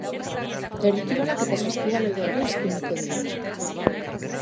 Herri kirolak eta saskibaloia ere eskainiko dira.